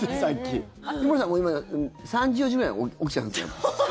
井森さん、もう今３時、４時ぐらいに起きちゃうんですよね？